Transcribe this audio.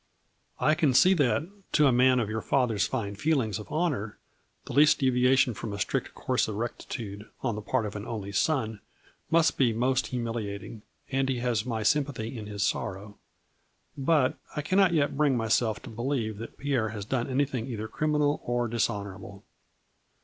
I can see that, to a man of your father's fine feelings of honor, the least deviation from a strict course of rectitude, on the part of an only son, must be most humili ating, and he has my sympathy in his sorrow. But, I cannot yet bring myself to believe that Pierre has done anything either criminal or dis honorable."